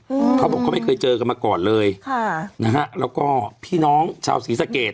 เขาบอกเขาไม่เคยเจอกันมาก่อนเลยค่ะนะฮะแล้วก็พี่น้องชาวศรีสะเกด